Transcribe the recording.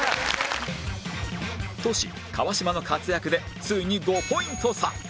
とし川島の活躍でついに５ポイント差